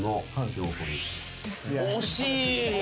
惜しい。